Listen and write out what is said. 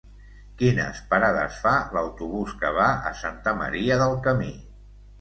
Quines parades fa l'autobús que va a Santa Maria del Camí?